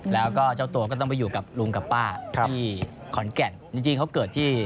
แล้วก็เจ้าตัวก็ต้องไปอยู่กับลุงกับป้าที่ขอนแก่นจริงเขาเกิดที่